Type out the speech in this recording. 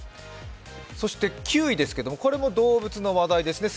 ９位ですけれどもこれも動物の話題ですね。